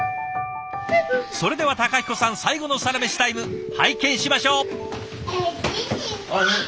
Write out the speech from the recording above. それでは孝彦さん最後のサラメシタイム拝見しましょう。